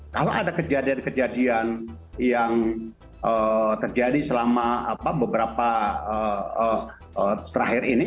kalau ada kejadian kejadian yang terjadi selama beberapa terakhir ini